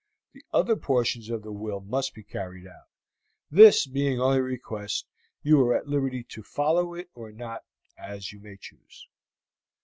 The other portions of the will must be carried out. This being only a request, you are at liberty to follow it or not as you may choose."